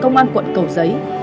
công an quận cầu giấy